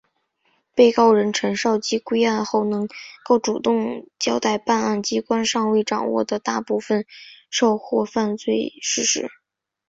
被告人陈绍基归案后能够主动交代办案机关尚未掌握的大部分受贿犯罪事实。